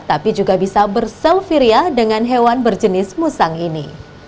tapi juga bisa berselfieria dengan hewan berjenis musang ini